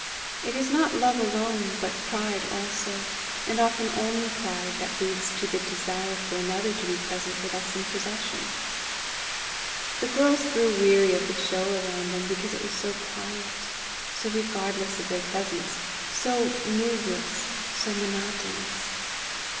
It is not love alone but pride also, and often only pride, that leads to the desire for another to be present with us in possession. The girls grew weary of the show around them because it was so quiet, so regardless of their presence, so moveless, so monotonous.